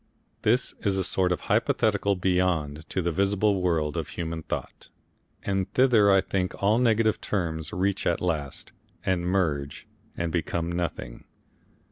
This is a sort of hypothetical Beyond to the visible world of human thought, and thither I think all negative terms reach at last, and merge and become nothing.